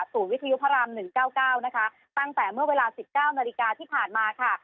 วิทยุพระราม๑๙๙นะคะตั้งแต่เมื่อเวลา๑๙นาฬิกาที่ผ่านมาค่ะ